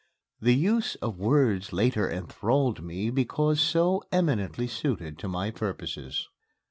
The use of words later enthralled me because so eminently suited to my purposes.